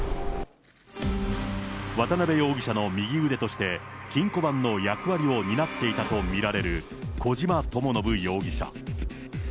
渡辺容疑者の右腕として、金庫番の役割を担っていたと見られる小島智信容疑者。